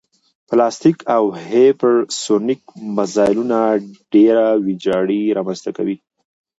بلاستیک او هیپرسونیک مزایلونه ډېره ویجاړي رامنځته کوي